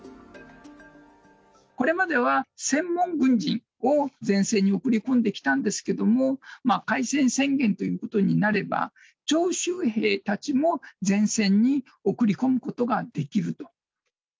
これまでは、専門軍人を前線に送り込んできたんですけども、開戦宣言ということになれば、徴集兵たちも前線に送り込むことができると。